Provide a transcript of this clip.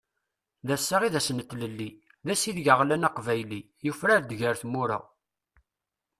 D ass-a i d ass n tlelli, d ass ideg aɣlan aqbayli, yufrar-d ger tmura.